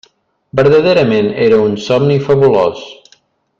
Verdaderament era un somni fabulós.